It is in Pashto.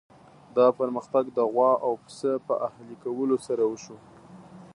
دا پرمختګ د غوا او پسه په اهلي کولو سره وشو.